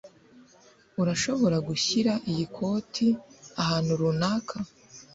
Urashobora gushyira iyi koti ahantu runaka?